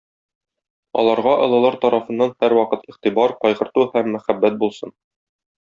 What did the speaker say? Аларга олылар тарафыннан һәрвакыт игътибар, кайгырту һәм мәхәббәт булсын.